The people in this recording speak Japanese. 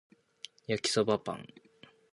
焼きそばパン